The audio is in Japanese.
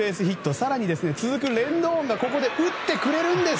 更に、続くレンドンが打ってくれるんです。